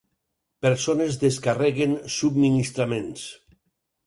Persones descarreguen subministraments